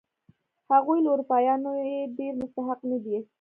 هغوی له اروپایانو یې ډېر مستحق نه دي.